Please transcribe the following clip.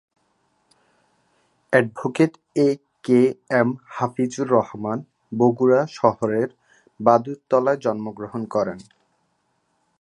Advocate A K M Hafizur Rahman Bogura শহরের বাদুরতলায় জন্ম গ্রহণ করেন।